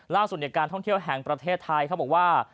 ในการท่องเที่ยวแห่งประเทศไทยเขาบอกว่า